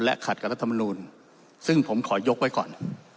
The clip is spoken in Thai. ขัดกับรัฐมนูลซึ่งผมขอยกไว้ก่อน